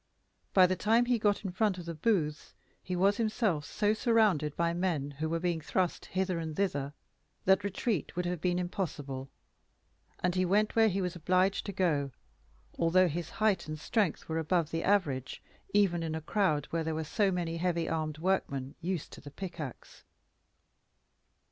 By the time he got in front of the booths, he was himself so surrounded by men who were being thrust hither and thither that retreat would have been impossible; and he went where he was obliged to go, although his height and strength were above the average even in a crowd where there were so many heavy armed workmen used to the pickaxe.